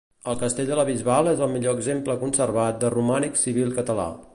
El castell de la Bisbal és el millor exemple conservat de romànic civil català.